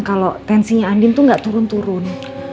kalau tensinya andin itu nggak turun turun